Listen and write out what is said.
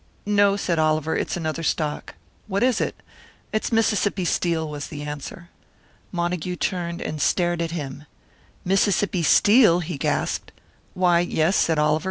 "No," said Oliver; "it's another stock." "What is it?" "It's Mississippi Steel," was the answer. Montague turned and stared at him. "Mississippi Steel!" he gasped. "Why, yes," said Oliver.